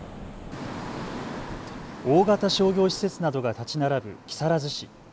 大型商業施設などが建ち並ぶ木更津市。